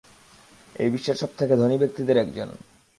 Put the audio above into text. এই বিশ্বের সবথেকে ধনী ব্যক্তিদের একজন।